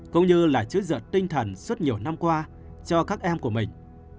cũng như là chứa dợt tinh thần suốt nhiều năm qua cho các em của mình